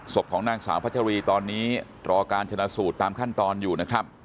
ศพของนางสาวพัชรีตอนนี้รอการชนะสูตรตามขั้นตอนอยู่นะครับ